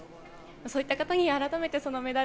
そういった方に改めてメダル